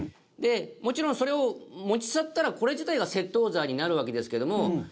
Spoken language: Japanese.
もちろんそれを持ち去ったらこれ自体が窃盗罪になるわけですけども。